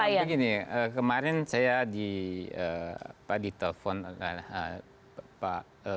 begini kemarin saya di telpon pak deputi dari bmk